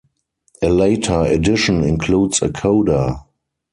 A later edition includes a coda.